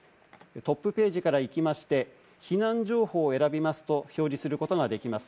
トップページから行きまして、避難情報を選びますと表示することができます。